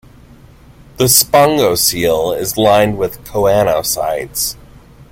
The spongocoel is lined with choanocytes.